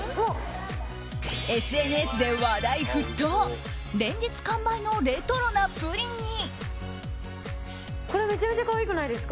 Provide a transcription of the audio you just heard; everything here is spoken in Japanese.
ＳＮＳで話題沸騰連日完売のレトロなプリンに。